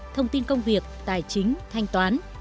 thông tin công việc tài chính thanh toán